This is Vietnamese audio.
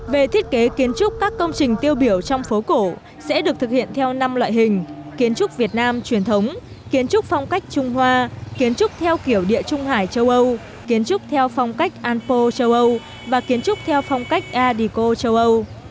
về thiết kế kiến trúc các công trình tiêu biểu trong phố cổ sẽ được thực hiện theo năm loại hình kiến trúc việt nam truyền thống kiến trúc phong cách trung hoa kiến trúc theo kiểu địa trung hải châu âu kiến trúc theo phong cách an po châu âu và kiến trúc theo phong cách adico châu âu